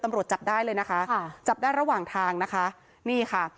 ตำรวจจับได้เลยนะคะค่ะจับได้ระหว่างทางนะคะนี่ค่ะ